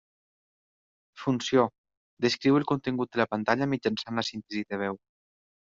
Funció: descriu el contingut de la pantalla mitjançant la síntesi de veu.